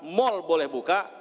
mal boleh buka